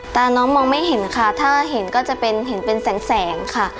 ตาน้องมองไม่เห็นค่ะถ้าเห็นก็จะเป็นเห็นเป็นแสงค่ะ